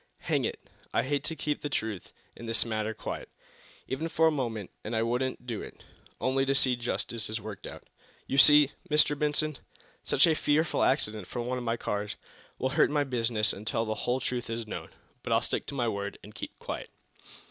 Hang it, I hate to keep the truth in this matter quiet, even for a moment, and I wouldn't do it, only to see justice worked out. You see, Mr. Benson, such a fearful accident, from one of my cars, will hurt my business until the whole truth is known. But I'll stick to my word, and keep quiet."